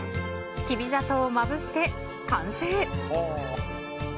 きび砂糖をまぶして完成。